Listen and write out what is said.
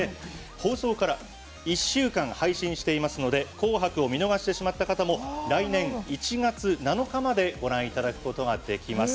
放送から１週間配信していますので「紅白」を見逃してしまった方も来年１月７日までご覧いただくことができます。